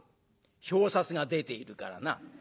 表札が出ているからな。